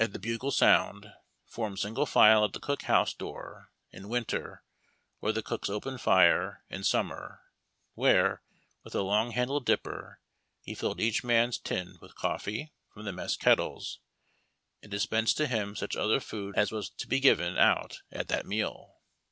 the bugle signal, formed single file at the cook house door, in winter, or the cook's open lire, in summer, where, with a long handled dipper, he filled each man's tin with coffee from the mess kettles, and dispensed to him such other food as was to be given out at that meal.